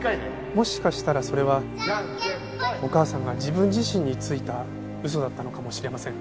もしかしたらそれはお母さんが自分自身についた嘘だったのかもしれません。